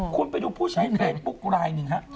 คุณไปดูผู้ใช้เว็บพุทธไลน์หนึ่ง